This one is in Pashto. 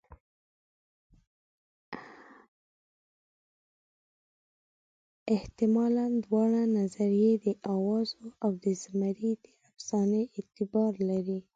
حتمالاً دواړه نظریې د اوازو او د زمري د افسانې اعتبار لري.